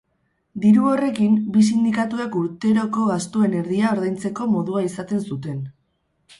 Diru horrekin, bi sindikatuek urteroko gastuen erdia ordaintzeko modua izaten zuten.